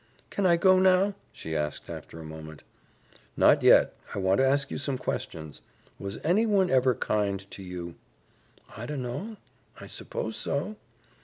"Can I go now?" she asked after a moment. "Not yet. I want to ask you some questions. Was anyone ever kind to you?" "I dunno. I suppose so."